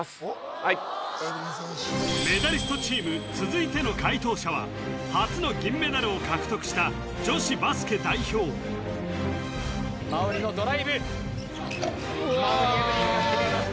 はいメダリストチーム続いての解答者は初の銀メダルを獲得した女子バスケ代表馬瓜のドライブ馬瓜エブリンがきめました